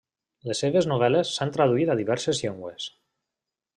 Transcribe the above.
Les seves novel·les s'han traduït a diverses llengües.